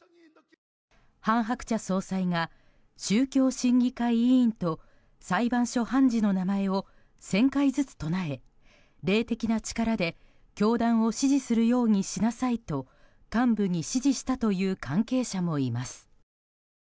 韓鶴子総裁が、宗教審議会委員と裁判所判事の名前を１０００回ずつ唱え霊的な力で教団を支持するようにしなさいと幹部に指示したという関係者もいます。